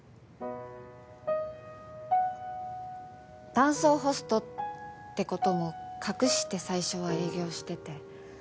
男装ホストってことも隠して最初は営業してて。